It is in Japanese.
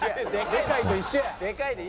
「デカいと一緒や！」